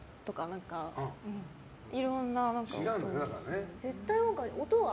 いろんな音が。